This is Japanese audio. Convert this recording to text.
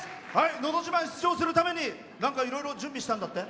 「のど自慢」に出場するためにいろいろ準備したんだって？